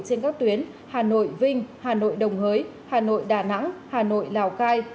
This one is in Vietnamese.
trên các tuyến hà nội vinh hà nội đồng hới hà nội đà nẵng hà nội lào cai